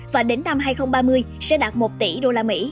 và đến năm hai nghìn ba mươi sẽ đạt một tỷ usd